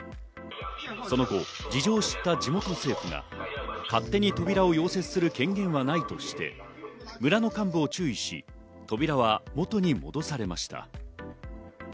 その後、事情を知った地元政府が勝手に扉を溶接する権限はないとして村の幹部を注意し、扉は元に戻されました。